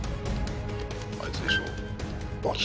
あいつでしょ？